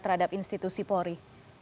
terhadap institusi polri